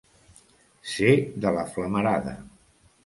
Ser de la flamarada.